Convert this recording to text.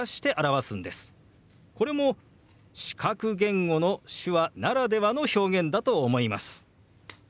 これも視覚言語の手話ならではの表現だと思います。